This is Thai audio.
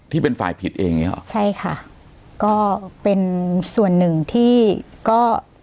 ที่เป็นฝ่ายผิดเองใช่ไหมใช่ค่ะก็เป็นส่วนหนึ่งที่ก็